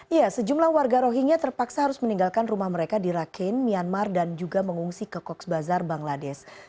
iya sejumlah warga rohingya terpaksa harus meninggalkan rumah mereka di rakin myanmar dan juga mengungsi ke coach bazar bangladesh